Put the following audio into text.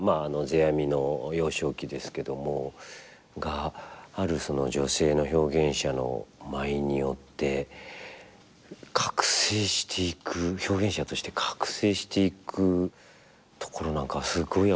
世阿弥の幼少期ですけどもがある女性の表現者の舞によって覚醒していく表現者として覚醒していくところなんかはすごいやっぱ何か感動しましたね。